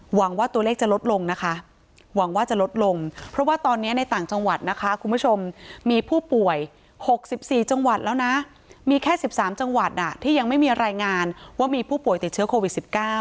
หวังว่าตัวเลขจะลดลงนะคะหวังว่าจะลดลงเพราะว่าตอนนี้ในต่างจังหวัดนะคะคุณผู้ชมมีผู้ป่วย๖๔จังหวัดแล้วนะมีแค่๑๓จังหวัดที่ยังไม่มีรายงานว่ามีผู้ป่วยติดเชื้อโควิด๑๙